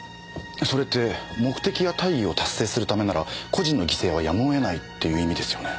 それって目的や大義を達成するためなら個人の犠牲はやむを得ないっていう意味ですよね。